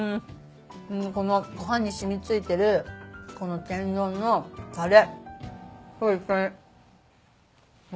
このご飯に染み付いてるこの天丼のたれと一緒に。